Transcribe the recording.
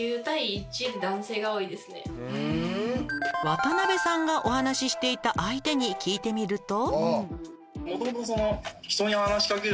「渡辺さんがお話ししていた相手に聞いてみると」